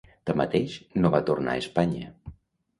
Tanmateix, no va tornar a Espanya.